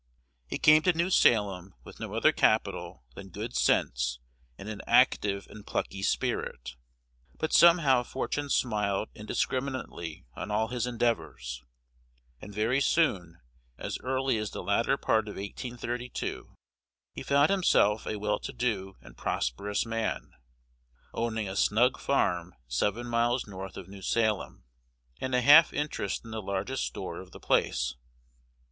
He came to New Salem with no other capital than good sense and an active and plucky spirit; but somehow fortune smiled indiscriminately on all his endeavors, and very soon as early as the latter part of 1832 he found himself a well to do and prosperous man, owning a snug farm seven miles north of New Salem, and a half interest in the largest store of the place.